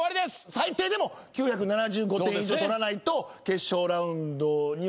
最低でも９７５点以上取らないと決勝ラウンドには残れません。